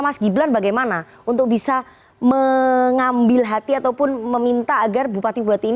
mas gibran bagaimana untuk bisa mengambil hati ataupun meminta agar bupati bupati ini